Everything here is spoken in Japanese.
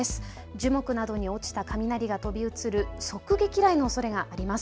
樹木などに落ちた雷が飛び移る、側撃雷のおそれがあります。